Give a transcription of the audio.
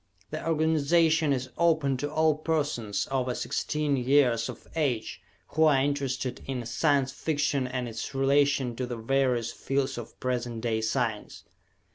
The organization is open to all persons over sixteen years of age who are interested in Science Fiction and its relation to the various fields of present day science.